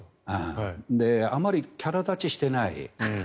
あまりキャラ立ちしていない。